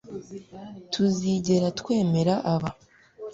tuzigera twemera aba